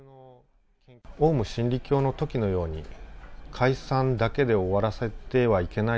オウム真理教のときのように、解散だけで終わらせてはいけない。